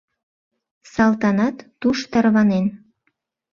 Салтанат туш тарванен.